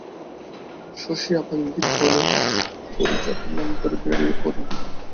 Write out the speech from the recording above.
শশী আবার ইঙ্গিতে বলে, পুরী যাবার নাম করে বেরিয়ে পড়ুন।